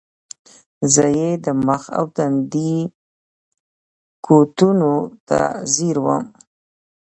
زۀ ئې د مخ او تندي کوتونو ته زیر ووم ـ